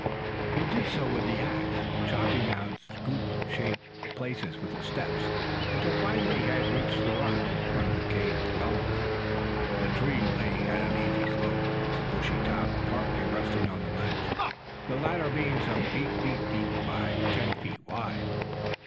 He did so with the axe, chopping out scoop shaped places for steps, until finally he had reached the rock in front of the cave dwellings. The tree lay at an easy slope, its bushy top partly resting on the ledge, the latter being some eight feet deep by ten feet wide.